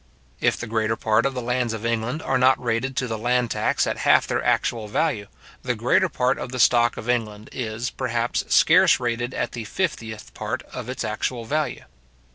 If the greater part of the lands of England are not rated to the land tax at half their actual value, the greater part of the stock of England is, perhaps, scarce rated at the fiftieth part of its actual value.